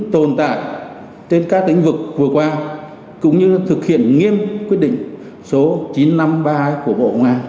tồn tại trên các lĩnh vực vừa qua cũng như thực hiện nghiêm quyết định số chín trăm năm mươi ba của bộ ngoại